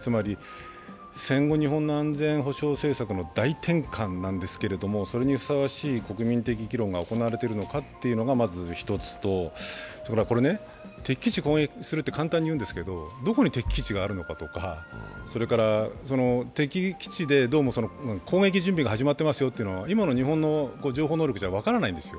つまり戦後日本の安全保障政策の大転換なんですけれども、それにふさわしい国民的議論が行われているのかというのが、まず１つと、敵基地攻撃するって簡単に言うんですけれどもどこに敵基地があるのかとか、それから敵基地でどうも攻撃準備が始まってますよと言うのは今の日本の情報能力じゃ分からないんですよ。